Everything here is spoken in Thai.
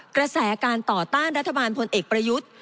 กระแสการต่อต้านรัฐบาลพลเอกประยุทธ์